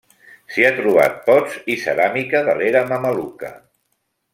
S'hi ha trobat pots i ceràmica de l'era mameluca.